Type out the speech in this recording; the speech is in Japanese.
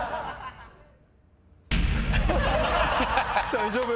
大丈夫？